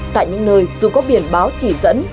tại những nơi dù có biển báo chỉ dẫn